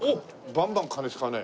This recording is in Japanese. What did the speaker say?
バンバン金使うね。